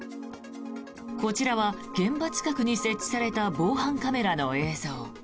こちらは現場近くに設置された防犯カメラの映像。